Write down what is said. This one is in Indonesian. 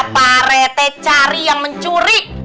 pak rete cari yang mencuri